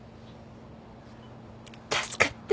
助かって。